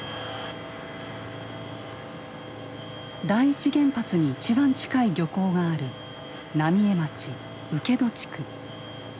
第一原発に一番近い漁港がある浪江町請戸地区。